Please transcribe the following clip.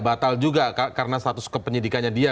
batal juga karena status kepenyidikannya dia